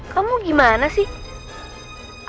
kamu gimana sih